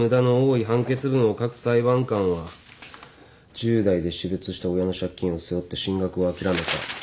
１０代で死別した親の借金を背負って進学を諦めた。